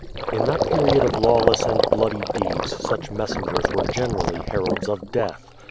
In that period of lawless and bloody deeds such messengers were generally heralds of death.